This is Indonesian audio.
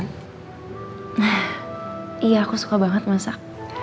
nah iya aku suka banget masak